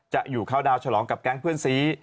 จะอยู่เข้าดาวฉลองกับแก๊งเพื่อนซี